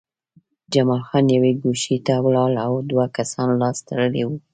جمال خان یوې ګوښې ته ولاړ و او دوه کسان لاس تړلي وو